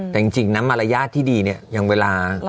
แต่จริงนะมารยาทที่ดีอย่างเวลาขับรถ